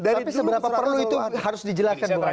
tapi seberapa perlu itu harus dijelaskan bu